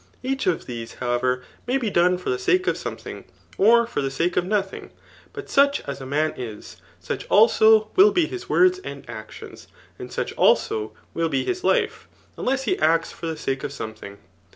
Each of these, however, may be done for the sake of something, or for the sake of ifothing. But such as a man is, siu:h also will be his words and actions, and such also will be his life, unless, he acts for the sake of something.